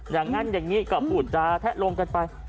อย่างนั้นอย่างนี้ก็พูดจาแทะลงกันไป